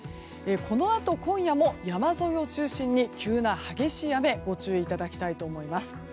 このあと今夜も山沿いを中心に急な激しい雨にご注意いただきたいと思います。